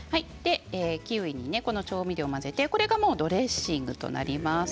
キウイに調味料を混ぜてこれがドレッシングとなります。